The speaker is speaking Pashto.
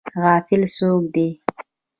غافل څوک دی؟